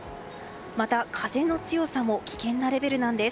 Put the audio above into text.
また、風の強さも危険なレベルなんです。